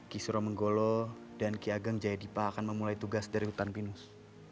ki suramenggolo dan ki ageng jayadipa akan memulai tugas dari hutan pinus